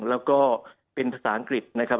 แล้วก็เป็นภาษาอังกฤษนะครับ